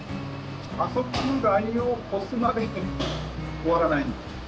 あそこのラインを越すまで終わらないんです。